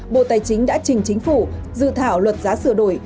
bộ tài chính đã trình chính phủ dự thảo luật giá sửa đổi